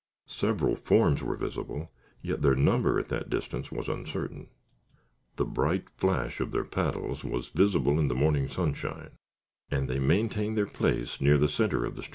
Several forms were visible, yet their number, at that distance, was uncertain. The bright flash of their paddles was visible in the morning sunshine, and they maintained their place near the center of the stream.